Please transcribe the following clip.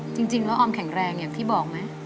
จริงแล้วออมแข็งแรงอย่างที่บอกไหม